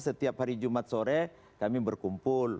setiap hari jumat sore kami berkumpul